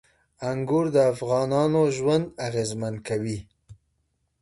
انګور د افغانانو ژوند اغېزمن کوي.